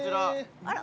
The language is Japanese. あら